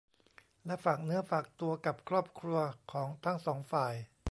และฝากเนื้อฝากตัวกับครอบครัวของทั้งสองฝ่าย